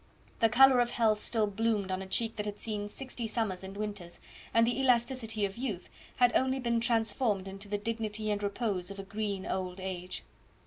The colour of health still bloomed on a cheek that had seen sixty summers and winters, and the elasticity of youth had only been transformed into the dignity and repose of a green old age.